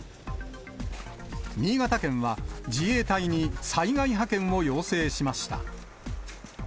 新潟県は、自衛隊に災害派遣を要請しました。